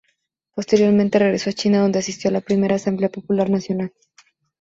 Posteriormente regresó a China, donde asistió a la primera Asamblea Popular Nacional.